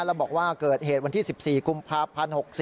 แล้วบอกว่าเกิดเหตุวันที่๑๔กุมภาพันธ์๖๔